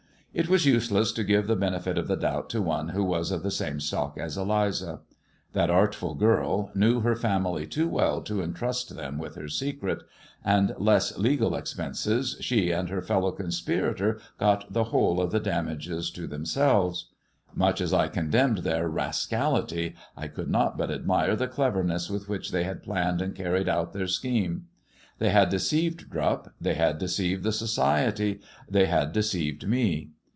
It was useless to give the benefit of the doubt to one who was of the same stock as Eliza. That artful girl knew her family too well to entrust them with her secret, and, less legal expenses, she and her fellow conspirator got the whole of the damages to themselves. Much as I condemned their rascality, I could not but admire the cleverness with which they had planned and carried out their scheme. They had deceived Drupp, they had deceived the society, they had deceived me.